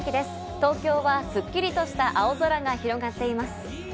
東京はすっきりとした青空が広がっています。